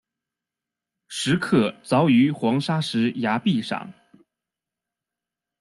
石刻凿于黄砂石崖壁上。